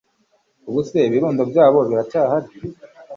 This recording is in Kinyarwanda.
Ubuse ibirundo byaho biracyahari